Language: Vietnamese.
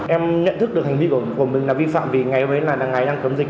em nhận thức được hành vi của mình là vi phạm vì ngày hôm ấy là ngày đang cấm dịch